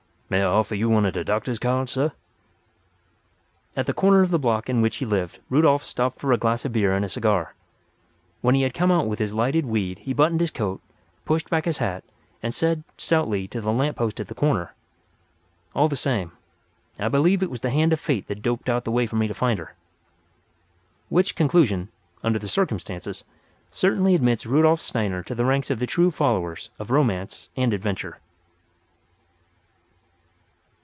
May I offer you one of de doctah's cards, sah?" At the corner of the block in which he lived Rudolf stopped for a glass of beer and a cigar. When he had come out with his lighted weed he buttoned his coat, pushed back his hat and said, stoutly, to the lamp post on the corner: "All the same, I believe it was the hand of Fate that doped out the way for me to find her." Which conclusion, under the circumstances, certainly admits Rudolf Steiner to the ranks of the true followers of Romance and Adventure.